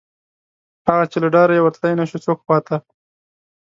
هغه، چې له ډاره یې ورتلی نشو څوک خواته